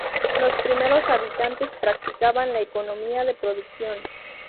Los primeros habitantes practicaban la economía de producción.